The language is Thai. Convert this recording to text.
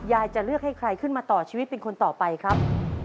จะเลือกให้ใครขึ้นมาต่อชีวิตเป็นคนต่อไปครับ